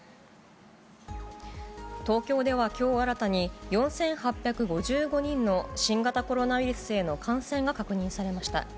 東京ではきょう新たに、４８５５人の新型コロナウイルスへの感染が確認されました。